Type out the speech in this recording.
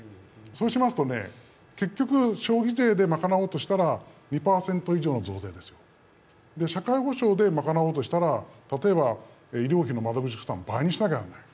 そうしますと、結局、消費税で賄おうとしたら２％以上の増税ですよ、それから社会保障でまかなおうとしたら例えば、医療費の窓口負担を倍にしなきゃいけない。